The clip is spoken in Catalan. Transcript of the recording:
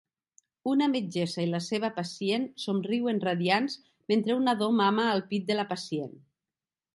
Una metgessa i la seva pacient somriuen radiants mentre un nadó mama al pit de la pacient.